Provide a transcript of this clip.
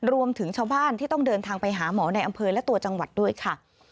รวมถึงชาวบ้านที่ต้องเดินทางไปหาหมอในอำเภอและตัวจังหวัดด้วยค่ะ